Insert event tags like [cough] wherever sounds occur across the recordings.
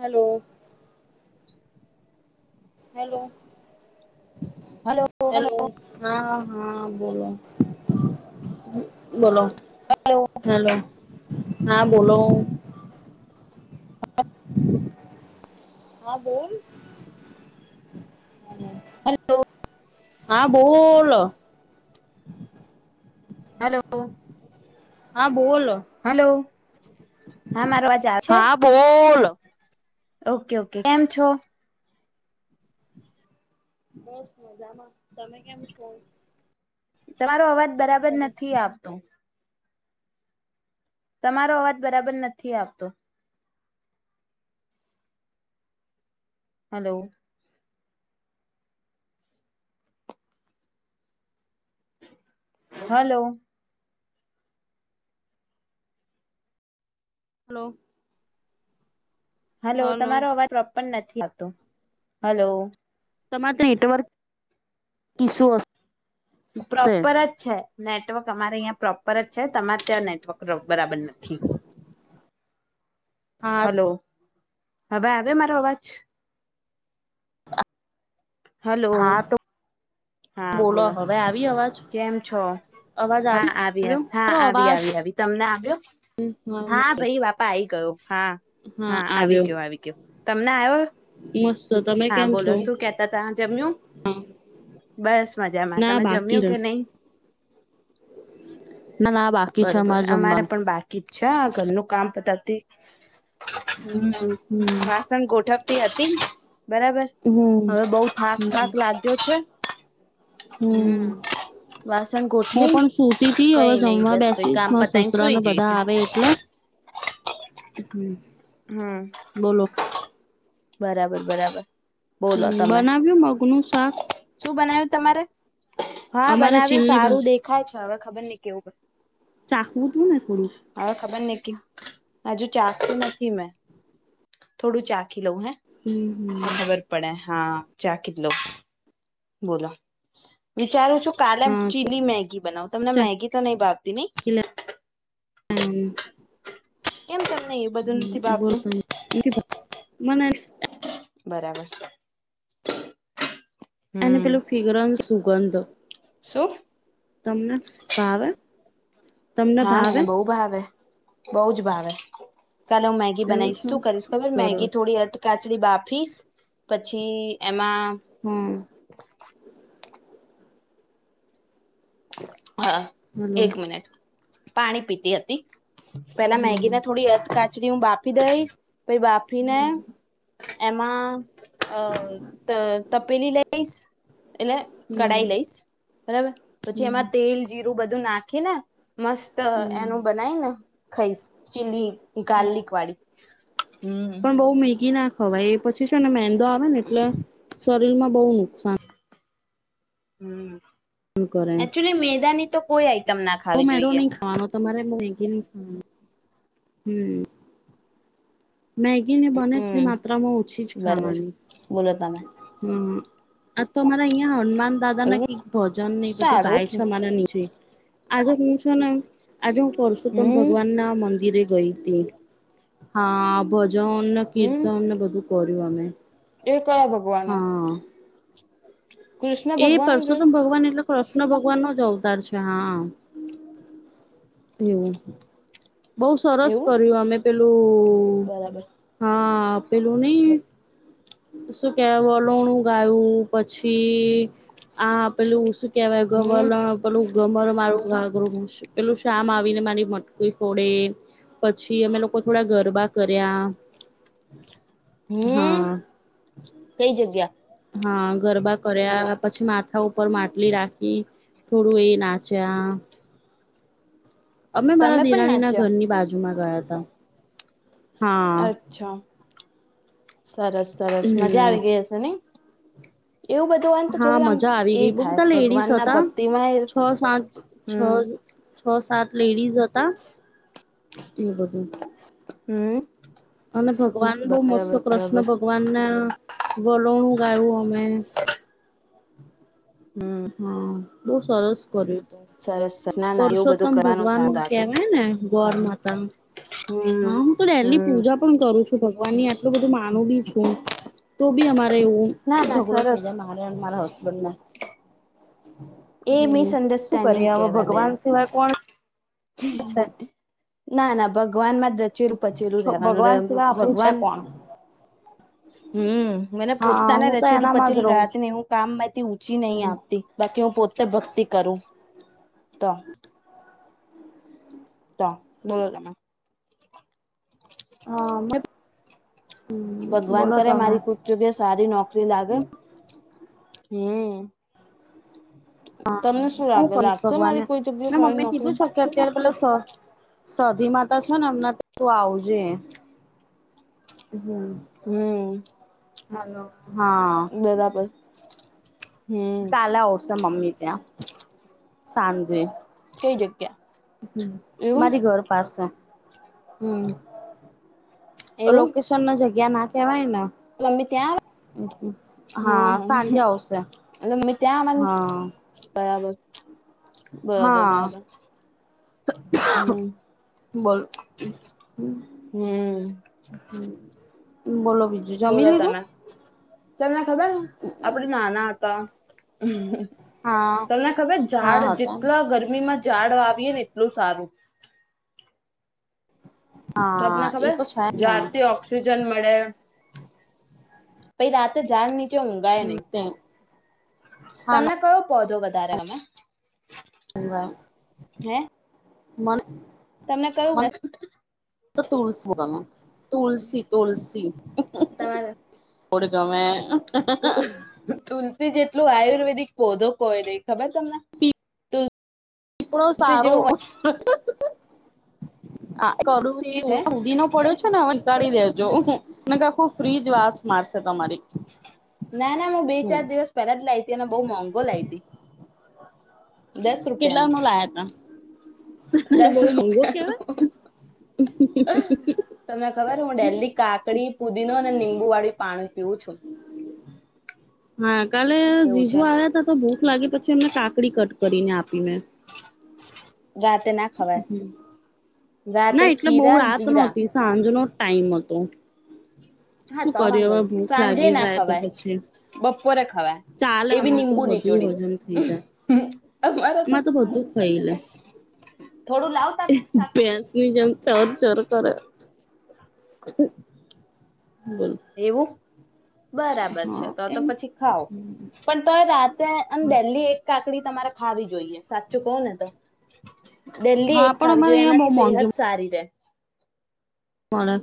Hello hello hello hello hello. Hello હા, હા, બોલો બોલો હેલો, હા બોલો [inaudible] હા બોલ હલો હા બોલ હલો હા બોલ હલો હા મારો અવાજ આવે છે હા બોલ ઓકે ઓકે કેમ છો બસ મજામાં તમે કેમ છો તમારો અવાજ બરાબર નથી આવતોું તમારો અવાજ બરાબર નથી આવતો હલો હલો હલો હલો તમારો અવાજ પ્રો નથી લતો હલો તમારે નેટવર્ક ઇસ્યુ હશે પ્રોપર જ છે નેટવર્ક અમારે અહીં પ્રોપર જ છે તમારે ત્યાં નેટવર્ક બરાબર નથી હથ હલો હવે આવે મારો અવાજ હા હલો તો બોલો હવે એવી આવ કેમ છો હા આવી આવ્યો હા મારો આવી અવાજ આવી આવી તમને આવ્યો હા ભાઈ બાપા આ આવી ગયો હા હા આવી ગયો આવી ગયો તમને આવ્યો મસ્ત તમે હા કેમ છો બોલો શું કેતા ત જમ્યું બસ મજામાં ના તમે બાકી જમ્યું છે. કે નહી ના ના બાકી છે અમારે જમવા છેા ઘરનું કામ પતાવતી હમ હમ વાસન ગોઠક હતી બરાબર હમ હવે બઉુ થાક થાક હમ લાગ્યો છે હમ વાસણ હું ગોઠવી પણ સુતી તથી કઈ હવે નઈ જમવા બસ પહી બેસીશ કામ પતાઈને સસરા સુઈ ને બધા જઈશું આવે એટલે હમ હમ બોલો બરાબર બરાબર બોલો હમ તમે બનાવ્યું મગનુંું શાક શું બનાવ્યું તમારે હા અમારે બનાવ્યું ચીલની સારું બાજુ દેખાય છે હવે ખબર ન કેવુંર ચાખવું તું ને થોડીુંક ખબર નઈ હજુ ચાખતું નથી મેં થોડું ચ લઉ હૈ હમ તો હમ ખબર પડે હા ચ કટલો બોલો વિચારું છું પહેલે હા ચીલી મેગી બનાવું તમને મેગી તો નહી ભાવતી નહી હમ કેમ તમને એવું બધું નથી ભાગતું મન બરાબર એને હમ પેલું ફિગરનું સુું બંધ શું તમને ભાવે તમને હા ભાવે મને બહુ ભાવે બહ જ ભાવે કાલે હું મેગ બનાવીશ શું કરીશ ખબર મેગી સરસ થોડી અટક બાફી પછી એમાં હમ હ હા હલો એક મિનિટ પાણી પીતી હતી પેલા હમ મેગી ના થોડી અથાચ હું બાપી દઈશ પાઈ બાફીને એમાં અ તપેલી લઈશ એટલે હમ કઢાઈ લઈશ બરાબર પછ હમ એમાં તેલ એું બધું નાખી ને મસ્ત હમ એનું બનાયને ખાઈશ ચીલી ગાર્લિક વાડી પણ બહુ મેગી નાખ હવા એ પછી શું ને મેન દો આવે ને એટલે શરીરમાં બહુ નુકસાન હમ કરે એકક્ચુલી મેદાની તો કોઈ આઈટમ ના ખાવી જોઈએ. એમ હમ મેગી ને બને હમ એટલે માત્રામાં ઓછી જ બરોબર ખાવાની બોલો તમે હમ આ તો અમારા અહિયા હનમા દાદા ના એવું કઈક ભજન એ બધું ગાય છે સારું અમારા નીચે આજે હું છે ને આજે હું પરસોત્તમ હમ ભગવાન ના મંદિરે ગઈ હતી. હા જોહન ને હમ કીર્તન ને બધું કર ગમે એ કયા ભગવાનો કૃષ્ણ એ ભગવાન છે પરસોતમ ભગવાન એટલો કૃષ્ણ ભગવાન નો જ અવતાર છે. હા એવું બોવ સરસ એવું કર્યું અમે પેલું બરાબર હા પેલું નય શું કે વલોણું ગાયું પછી આ પેલું શું કેવાય હમ ગવલણ પેલું ગમર મારું પેલું શામ આવીને મારી મટકી ફોડે પછી અમે લોકો થોડા ગરબા કર્યા હમ હા કઈ જગ્યા હા ગરબા કર્યા પછી માથા ઉપર માટલી રાખી થોડું એ નાચ્યા અમે મારા તમે પણ દિરાણી ના નાચ્યા ઘરની બાજુમાં ગયા હતા. હા અચ્છા સરસ સરસ મજા હમ આવી ગઈ અસે નહિ. હા મજા આવી એ ગઈ બઉ થાય બધા લેડીસ ભગવાન ના હતા ભક્તિમાં છ સાત છ હમ છ સાત લેડીઝ હતા. એ બધું હા. અને ભગવાન બહુ મસ્ત કૃષ્ણ બરાબર ભગવાન ના વલોણું ગાયું અમે હ. હા. બહુ સરસ કર્યું. સરસ સરસ ના ના એવું બધું પરસોતમ કરવાનું ભગવાન સારું લાગે કેવાય ને ગોર માતા હા હમ હું તો ડેલી હમ પૂજા પણ કરું છું ભગવાન ની આટલું બધું મા હું બી છું તો બી અમા એવું ના ના ઝઘડો થઈ સરસ જાય મારે મારા હસ્ બંને એ હમ શું મિસઅન્ડરસ્ટેન્ડિંગ કરીએ અમે ભગવાન સિવાય કોણ હ ના ના ભગવાનમાં રચેરું પચેલું છે રહેવાનું ભગવાન સિવાય આપણું છે ભગવાન કોણ હમ મને હા પોતાને હું તો રચેલું એનામાં જ પચેલું રહું રહેતી છું નહી હું કામ મેથી ઊચી નહી આપતી બાકી હું પો ભક્તિ કરું તો તો બોલો તમે હા મ ભગવાન કરે મારી કોક જગ્યા સારી નોકરી લાગે હમ હા તમને શું હું લાગે કહીશ લાગશે ભગવાનને મારી કોઈ જગ્યા મે સારી મમ્મી નોકરી કીધું છે કે અત્યારે પેલા સાધી માતા છો ને અમ તું આવજે હમ હમ હાલો હા બરાબર હમ કાલે આવ આવશે મમ્મી ત્યા સાંજે કઈ જગ્યા, એવું મારી ઘર પાસે હમ્મ એવું લોકેશન ના જ્યા જગ્યા ના કહેવાય મમ્મી ત્યાં હા સાંજે આવશે હા મમ્મી ત્યાં હા બરાબર બરાબર હા બરાબર હમ્મ બોલ હમ્મ બોલો બીજું જમી બોલો લીધું તમે તમને ખબર આપડ નાના હતા, હા તમને ખબર ઝાડ હા હતા જેટલા ગરમીમાં ઝાડ વાવીએ ને એટલું સારું તો આપને હા એ ખબર તો છે જ જાારથી ને ઓક્સિજન [unintelligible] પછ રાતે જાન ન ઊઘાય નહી, તે તમને કયો પધો વધારે ગમે [unintelligible] મને મેં કહ્યું મને ને તો તુલસી-તુલસી તુલસી. તમારે કોડ ગમે તુલસી જેટલું આયુર્વેદિક પૌધો કોઈ નય ખબર તમને પીપળો ત જેવું. હે [unintelligible] ઉધી નો પડ્યો છે, ને હવે ળી દેજો આખું ફ્રીજ વા માસ ના ના હું બે હમ ચાર દિવસ પહેલા જ લાવી ત અને બહ મોંઘો લાવી હતી. દસ કેટલા રૂપિયાનો ન લાયા ત દસ બહ મોંઘો રૂપિયા કેવાય. તમને ખબર હું, ડેલી કાકડી પુદીનો અને લીંબુ વાળી પાણી પીવું છું હા‌ કાલે એવું જીજો છે આવ્યા ત તો ભૂખ લાગે પછી એમને કાકડી કટ કરીને આપી મે રાતે ના ખવાય રાતે ના એટલે બહુ ખીરા રાત જીરા નહોતી સાંજ બીજાનો ટાઈમ હતો. હા શું તો કર્યું વાંધો હવે ભૂખ સાંજે લાગી ના જાય તો ખવાય પછી બપોરે ખવાય ચાલે એ બી આમાં તો નિબુ બધું નીચોડી હજમ થઈ જાય. અમારે તો આમાં બધું ખાઈ લે થોડું લાવતા ની જેમ ચોર ચોર કરે ખ એવું. બરાબર છે હા તો તો એમ પછી ખાાવ પણ તો રાતે અને દેલી એક કા લકડી તમારે ખાવી જોઈએ સાચું કહો ને તો દિલ્લી હા એક પણ ખાવી અમારે જોઈએ અહિયાં બહુ એનાથી મોંઘી સેહત સારી રહે. હ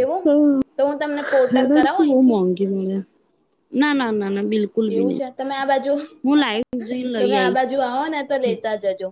એવું હે તો હું તમને પોર્ટર કરાવો શું બહ અહીંથી મોંઘી હોે ના ના ના ના બિલકુલ બી એવું નહી છે તમે આ બાજુ હું લાઈવ જઈને તમે લઈ આ આવીશ. બાજુ આવો ને તો લેતા જજો‌.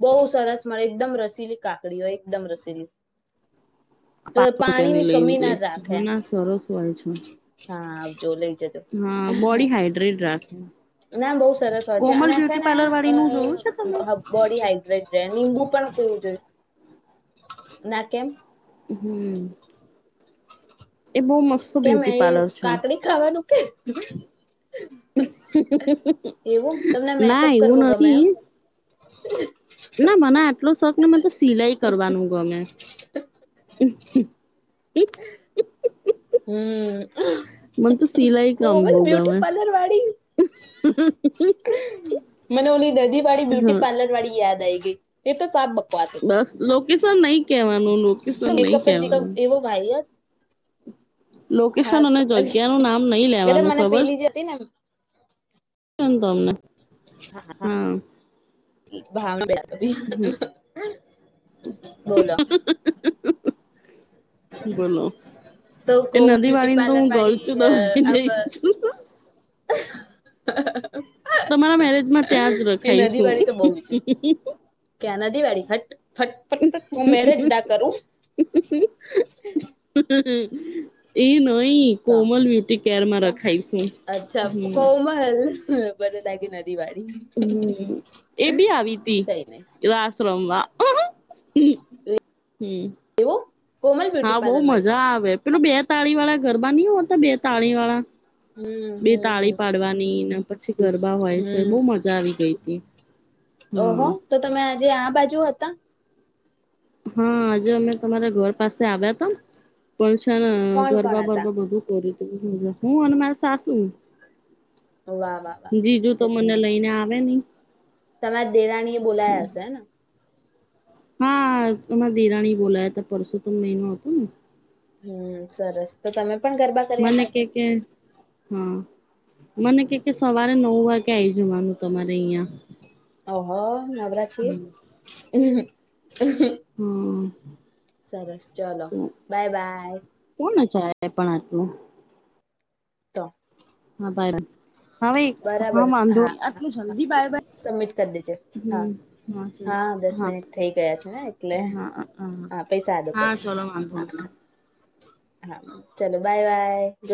બહુ સરસ મળે એકદમ રસીલી કાકડી હોય એકદમ રસીલી તો પાંચ પાણી રૂપિયાની ની લઈને કમી ના જ જઈશ હા રાખેમ ના સરસ હોય છે. હા જો લઈ જજો. હા બોડી હાઈડ્રેટ રાખે ના બો સરસ વાત છે કોમલ અને બ્યુટી છેને પાર્લર વાળી નું જોયું છે તમે? અ બોડી હાઈડ્રેટ રહેંબુ પણ પીવું જોઈએ ના કેમ હમ એ બો મસ્ત કેમ એ બ્યુટી પાર્લર છે કાકડી ખાવાનું કે [unintelligible] એવું તમને ના મેકઅપ એવું કરવો ગમે નથી એમ [inaudible] ના મને આટલો શોખ ને મને તો સિલાઈ કરવાનું ગમે હમ મને તો સિલાઈ કામ કોવલ બહુ બ્યુટી ગમે પાર્લર વાળી મનો ઓલી નદીવાળી બ્યુટી હા. પાર્લર વાળી યાદ યાદ ગઈ એ તો સ બસ લોક કેસ નઈ [unintelligible] એવો [unintelligible] હા લોકેશન અને સોરી જગ્યા નુ નામ નઈ એટલે લેવાનું મને ખબર પેલી જે હતી ને છે તમને હા હા ભાવ હમ [inaudible] [inaudible] બોલો બોલો તો એ કોમ નદી બ્યુટી વાણીને તો પાર્લર હું વાળી ગળચુ [unintelligible] હ તમારા મેરેજમાં ત્યાં જ નદી રખાયશું વાળી તો બહુ છે ક્યાં નદી વાળી હટ ફટ ફટ ફટ હું મેરેજ ના કરું એ નઈ તો કોમલ બ્યુટી કેરમાં તો રખાઈશે અચ્છા હમ કોમલ [unintelligible] હ એ ભી આવી તી કઈ નઈ રાસ રમવા હમ એવો હા બો મજા આવે પેલું બે તાળી વાળા ગરબા નઈ હોતા બે તાળી વાળા હમ બે હમ હમ તાળી પાડવાનીને પછી ગરબા હોય છે બો હમ મજા આવી ગઈ હતી ઓહો હમ તો તમે આજે આ બાજુ હતા હા આજે અમે તમારા ઘર પાસે આવ્યા હતા‌ પણ છે ને કોણ કોણ ગરબા હતા બરબા બધું કરીયું હું અને માર સાસુ વાહ, વાહ, વાહ. જીજુ તો મને લઈને આવે નહી. તમારા દેરાણી એ બોલાયા સે ને. હા એમાં દેરાણી બોલાયા હતા પરસોતમ મહિનો હતો ને. હમ સરસ તો તમે પણ ગરબા મને કર્યા કે કે હા મને કે કે સવારે નવ વાગે આઈ જવાનું તમારે અહિયાં. ઓહો નવરા છે. [inaudible] હમ સરસ ચલો તો બાય બાય. [unintelligible] તો હા બરા બરાબર હા હા હા સબમિટ કરી દેજે હા હા દસ મિનિટ થઈ ગયા છે ને એટલે હા પૈસા હા ચલો વાંધો નહી [unintelligible] હા ચાલો બાય બાય.